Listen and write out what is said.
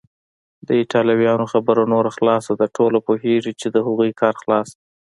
د ایټالویانو خبره نوره خلاصه ده، ټوله پوهیږي چې د هغوی کار خلاص دی.